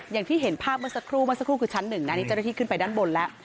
อย่างที่เห็นภาพเมื่อสักครู่เมื่อสักครู่คือชั้นหนึ่งนะนี่เจ้าหน้าที่ขึ้นไปด้านบนแล้ว